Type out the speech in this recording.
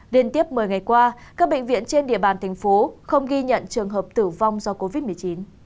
liên tiếp một mươi ngày qua các bệnh viện trên địa bàn thành phố không ghi nhận trường hợp tử vong do covid một mươi chín